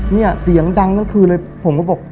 เนี่ยเสียงดังทั้งคืนเลยผมก็บอก